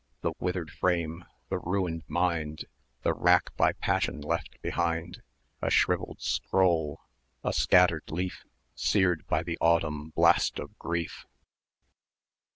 The withered frame, the ruined mind, The wrack by passion left behind, A shrivelled scroll, a scattered leaf, Seared by the autumn blast of Grief!